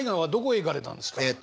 えっと